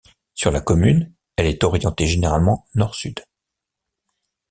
Sur la commune, elle est orientée généralement nord-sud.